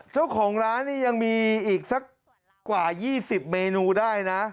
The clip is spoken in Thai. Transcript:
เจ้าของร้านนี่ยังมีอีกสักกว่า๒๐เมนูได้นะ